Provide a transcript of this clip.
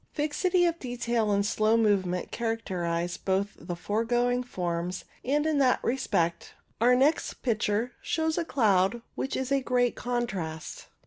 Fixity of detail and slow movement characterize both the foregoing forms, and in that respect our next picture (Plate 72) shows a cloud which is a great contrast.